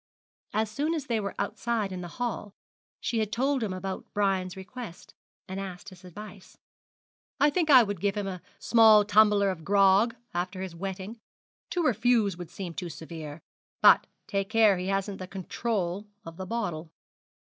As soon as they were outside in the hall she told him about Brian's request, and asked his advice. 'I think I would give him a small tumbler of grog after his wetting. To refuse would seem too severe. But take care he hasn't the control of the bottle.'